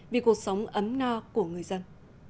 vì cuộc sống ấm no của người dân